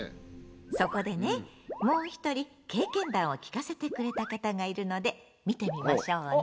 そこでねもう一人経験談を聞かせてくれた方がいるので見てみましょうね。